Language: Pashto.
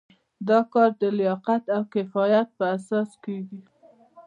دا کار د لیاقت او کفایت په اساس کیږي.